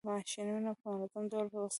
ماشینونه په منظم ډول وساتئ.